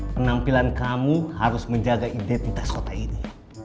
penampilan kamu harus menjaga identitas kota ini